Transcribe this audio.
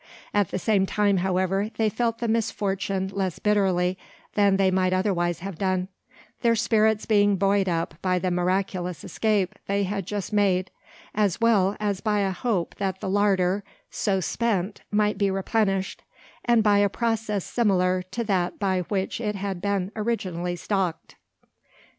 At the time, however, they felt the misfortune less bitterly than they might otherwise have done, their spirits being buoyed up by the miraculous escape they had just made, as well as by a hope that the larder so spent might be replenished, and by a process similar to that by which it had been originally stocked.